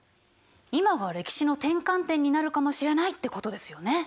今が歴史の転換点になるかもしれないってことですよね？